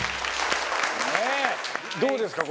どうですか？